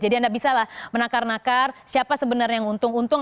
jadi anda bisa lah menakar nakar siapa sebenarnya yang untung untung